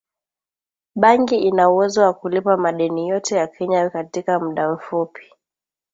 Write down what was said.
bangi ina uwezo wa kulipa madeni yote ya Kenya katika mda mfupi